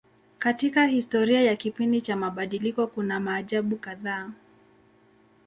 Katika historia ya kipindi cha mabadiliko kuna maajabu kadhaa.